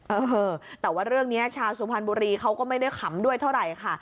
เออแต่ว่าเรื่องนี้ชาวสุพรรณบุรีเขาก็ไม่ได้ขำด้วยเท่าไหร่ค่ะ